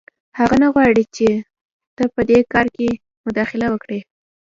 هغه نه غواړي چې ته په دې کار کې مداخله وکړې